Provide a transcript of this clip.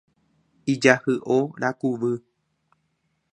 Ijahyʼo rakuvy.